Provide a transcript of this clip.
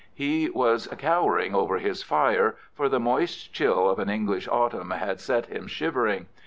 He was cowering over his fire, for the moist chill of an English autumn had set him shivering.